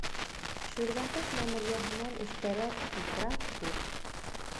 Шүлгәнташ мәмерйәһенән өҫтәрәк ифрат күп.